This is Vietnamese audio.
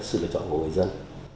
sự lựa chọn của người dân